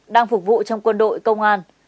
đang phục vụ trong quân đội công an